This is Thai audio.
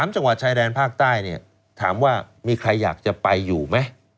๓จังหวัดชายแดนภาคใต้เนี่ยถามว่ามีใครอยากจะไปอยู่ไหม